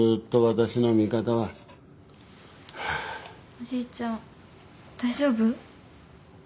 おじいちゃん大丈夫？